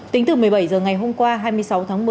tính từ một mươi bảy h ngày hôm qua hai mươi sáu tháng năm